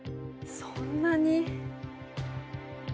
そんなに。